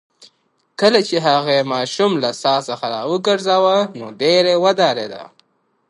کله چې هغې ماشوم له څاه څخه راوګرځاوه نو ډېره وډارېده.